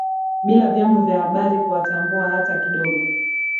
Bila vyombo vya habari kuwatambua hata kidogo